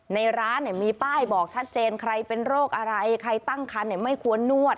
ในร้านมีป้ายบอกชัดเจนใครเป็นโรคอะไรใครตั้งคันไม่ควรนวด